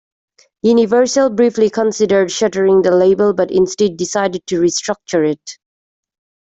Universal briefly considered shuttering the label, but instead decided to restructure it.